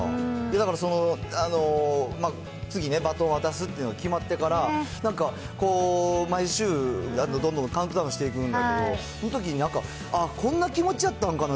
だから、次ね、バトン渡すっていうのを決まってから、なんかこう、毎週、どんどんカウントダウンしていくんだけど、そのときになんか、ああ、こんな気持ちやったんかな？